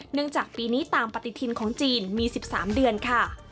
จากปีนี้ตามปฏิทินของจีนมี๑๓เดือนค่ะ